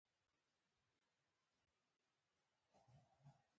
افغانستان له قومونه ډک دی.